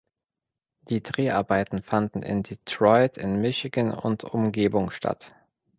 Die Dreharbeiten fanden in Detroit in Michigan und Umgebung statt.